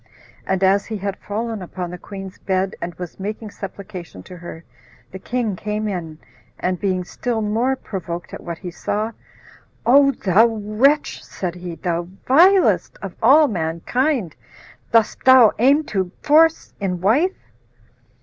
And as he had fallen upon the queen's bed, and was making supplication to her, the king came in, and being still more provoked at what he saw, "O thou wretch," said he, "thou vilest of mankind, dost thou aim to force in wife?"